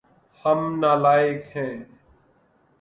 ہم نالائق ہیے